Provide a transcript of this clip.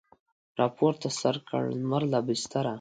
راپورته سر کړ لمر له بستره